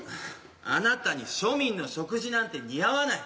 あなたに庶民の食事なんて似合わない。